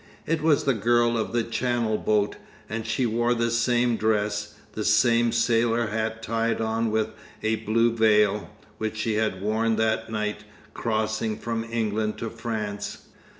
It was the girl of the Channel boat, and she wore the same dress, the same sailor hat tied on with a blue veil, which she had worn that night crossing from England to France.